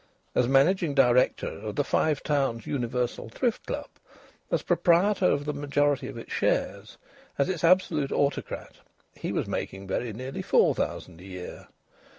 As Managing Director of the Five Towns Universal Thrift Club, as proprietor of the majority of its shares, as its absolute autocrat, he was making very nearly four thousand a year.